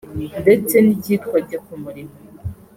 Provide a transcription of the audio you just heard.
ndetse n’icyitwa Jya Ku Murimo